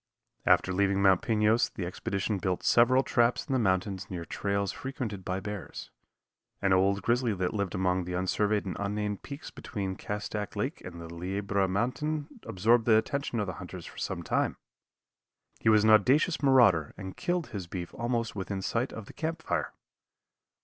After leaving Mount Pinos the expedition built several traps in the mountains near trails frequented by bears. An old grizzly that lived among the unsurveyed and unnamed peaks between Castac Lake and the Liebra Mountain absorbed the attention of the hunters for some time. He was an audacious marauder and killed his beef almost within sight of the camp fire.